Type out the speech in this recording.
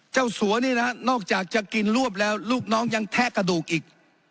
สัวนี่นะนอกจากจะกินรวบแล้วลูกน้องยังแทะกระดูกอีก